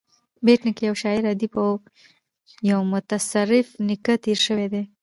بېټ نیکه یو شاعر ادیب او یو متصرف نېکه تېر سوى دﺉ.